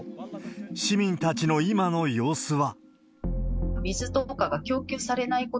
市民たちの今の様子は。